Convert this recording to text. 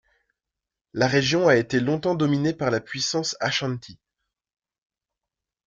La région a été longtemps dominée par la puissance Ashanti.